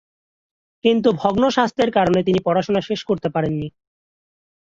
কিন্তু ভগ্ন স্বাস্থ্যের কারণে তিনি পড়াশোনা শেষ করতে পারেননি।